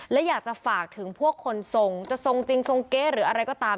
และอยากจะฝากถึงพวกคนทรงจะทรงจริงทรงเก๊หรืออะไรก็ตาม